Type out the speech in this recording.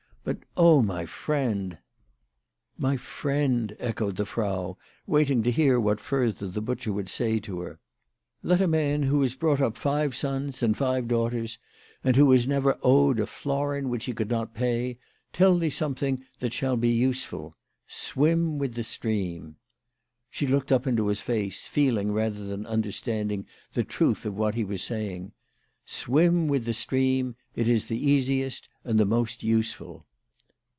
But, my friend !"" My friend !" echoed the Frau, waiting to hear what further the butcher would say to her. " Let a man who has brought up five sons and five daughters, and who has never owed a florin which he WHY FRAU FROHMANN RAISED HER PRICES. 77 could not pay, tell thee something that shall be useful. Swim with the stream." She looked up into his face, feeling rather than understanding the truth of what he was saying. " Swim with the stream. It is the easiest and the most useful."